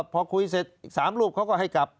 พอคุยเสร็จ๓รูปเขาก็ให้กลับ